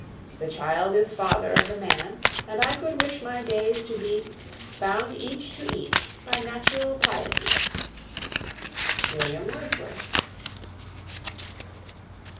The child is father of the man; And I could wish my days to be Bound each to each by natural piety. WILLIAM WORDSWORTH.